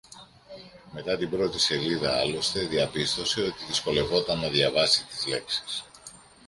Μετά την πρώτη σελίδα άλλωστε διαπίστωσε ότι δυσκολευόταν να διαβάσει τις λέξεις